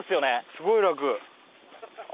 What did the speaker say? すごい楽！